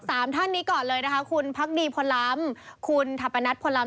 สามท่านนี้ก่อนเลยนะคะคุณพักดีพลล้ำคุณทัพนัทพลลำ